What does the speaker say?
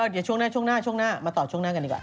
เดี๋ยวช่วงหน้ามาต่อช่วงหน้ากันดีกว่า